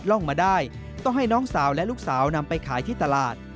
ต้องให้น้องสาวและลูกสาวนำไปขายที่ตลาด